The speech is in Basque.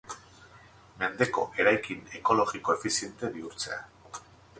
Mendeko eraikin ekologiko-efiziente bihurtzea.